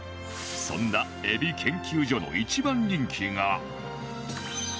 そんな ＥＢＩ 研究所の一番人気が